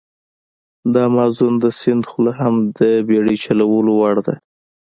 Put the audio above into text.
د امازون د سیند خوله هم د بېړی چلولو وړ ده.